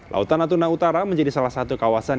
lautan natuna utara menjadi salah satu kawasan